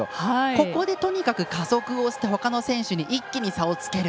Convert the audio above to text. ここでとにかく加速をしてほかの選手に一気に差をつける。